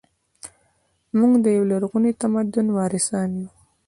موږ د یو لرغوني تمدن وارثان یو